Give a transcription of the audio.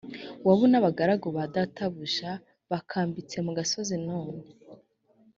wabu n abagaragu ba databuja a bakambitse mu gasozi none